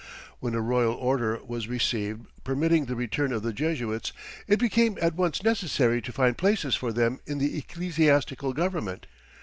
When a royal order was received permitting the return of the Jesuits it became at once necessary to find places for them in the ecclesiastical government.